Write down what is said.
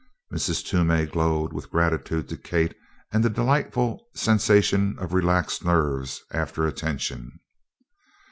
Mrs. Toomey glowed with gratitude to Kate and the delightful sensation of relaxed nerves after a tension.